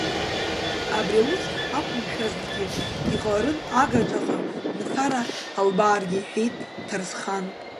Абри аус ҳақәымшәазҭгьы, иҟаларын, агаҿаҟа нхара ҳалбааргьы, – иҳәеит Ҭарсхан.